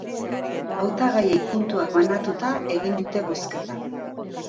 Hautagaiei puntuak banatuta egin dute bozketa.